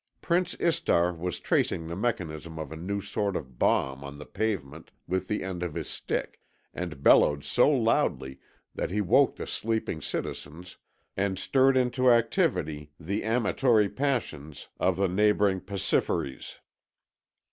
Prince Istar was tracing the mechanism of a new sort of bomb on the pavement with the end of his stick, and bellowed so loudly that he woke the sleeping citizens and stirred into activity the amatory passions of the neighbouring Pasiphaës.